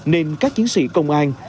nên các chiến sĩ công an